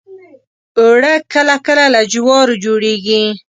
اوړه کله کله له جوارو جوړیږي